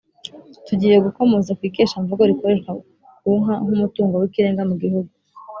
tugiye gukomoza ku ikeshamvugo rikoreshwa ku Nka nk’umutungo w’ikirenga mu gihugu